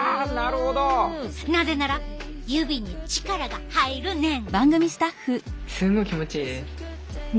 なぜなら指に力が入るねん。